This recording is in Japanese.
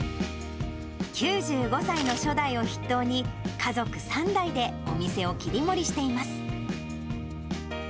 ９５歳の初代を筆頭に、家族３代でお店を切り盛りしています。